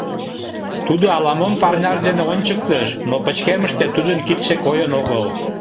— Тудо ала мом парняж дене ончыктыш, но пычкемыште тудын кидше койын огыл.